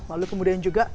lalu kemudian juga